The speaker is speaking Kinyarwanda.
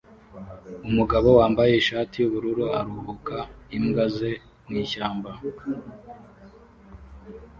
Umugabo wambaye ishati yubururu aruhuka imbwa ze mwishyamba